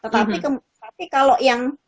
tetapi kalau yang